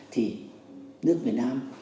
thì nước việt nam